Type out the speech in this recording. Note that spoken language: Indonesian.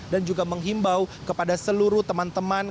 dan juga menghimbau kepada seluruh teman teman